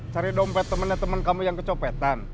cari dompet temennya teman kamu yang kecopetan